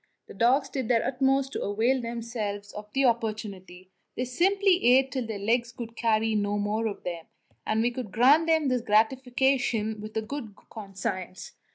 The dogs did their utmost to avail themselves of the opportunity; they simply ate till their legs would no longer carry them, and we could grant them this gratification with a good conscience.